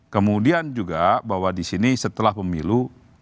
kemudian juga bahwa di sini setelah pemilu